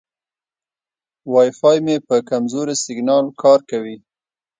وای فای مې په کمزوري سیګنال کار کوي.